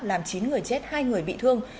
làm chín người chết hai người bị thương